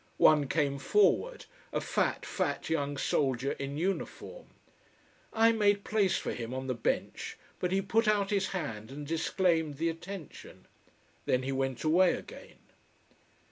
One came forward a fat, fat young soldier in uniform. I made place for him on the bench but he put out his hand and disclaimed the attention. Then he went away again.